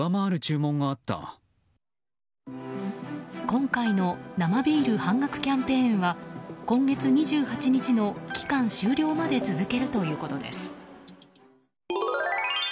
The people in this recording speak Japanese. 今回の生ビール半額キャンペーンは今月２８日の期間終了まで続けるということです。